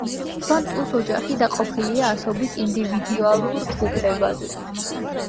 ბანტუს ოჯახი დაყოფილია ასობით ინდივიდუალურ ჯგუფებად.